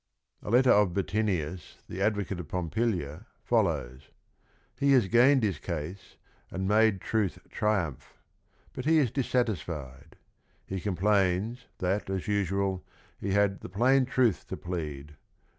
A letter of Bottinius, the advocate of Pompilia, follows: — He has gained his case, and "made truth triumph," but lie is dissatisfied. He com plains, that as usual, he had "the plain truth to plead."